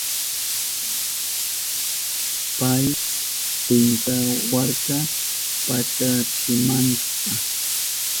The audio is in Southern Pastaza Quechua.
Pay kwintawarka pachachimanta